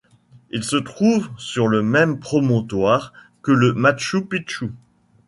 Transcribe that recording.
Il se trouve sur le même promontoire que le Machu Picchu.